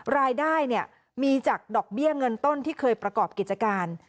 รายได้มีจากดอกเบี้ยเงินต้นที่เคยประกอบกิจการ